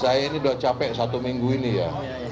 saya ini sudah capek satu minggu ini ya